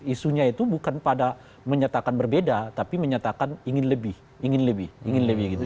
isunya itu bukan pada menyatakan berbeda tapi menyatakan ingin lebih ingin lebih ingin lebih gitu